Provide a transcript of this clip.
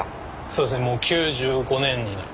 そうですねもう９５年になる。